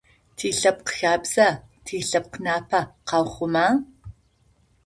Тилъэпкъхабзэ, тилъэпкънапэ къаухъума?